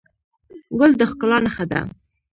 ګل د ښکلا نښه ده.